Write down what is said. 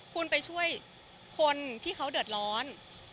คุณไปช่วยคนที่เขาเดือดร้อน